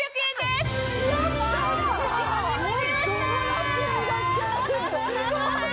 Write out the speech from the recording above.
すごい！